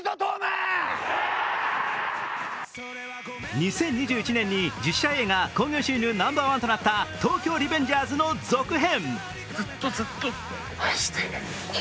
２０２１年に実写映画興行収入ナンバーワンとなった「東京リベンジャーズ」の続編。